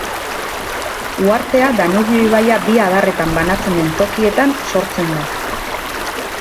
Uhartea Danubio ibaia bi adarretan banatzen den tokietan sortzen da.